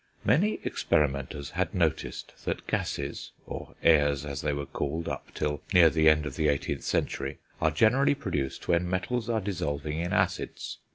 Many experimenters had noticed that gases (or airs, as they were called up till near the end of the 18th century) are generally produced when metals are dissolving in acids.